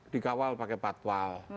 dikawal pakai patwal